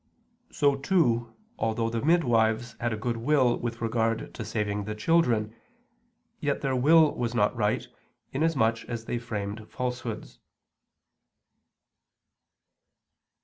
So, too, although the midwives had a good will with regard to saving the children, yet their will was not right, inasmuch as they framed falsehoods.